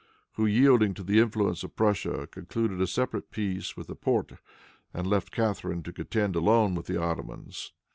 who, yielding to the influence of Prussia, concluded a separate peace with the Porte, and left Catharine to contend alone with the Ottomans.